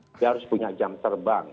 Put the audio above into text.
dia harus punya jam terbang